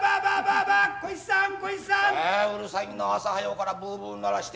あうるさいな朝早うからブーブー鳴らして。